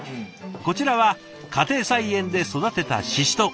こちらは家庭菜園で育てたししとう。